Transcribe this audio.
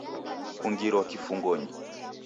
Kungirwa kifungonyi